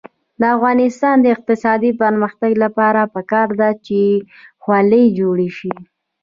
د افغانستان د اقتصادي پرمختګ لپاره پکار ده چې خولۍ جوړې شي.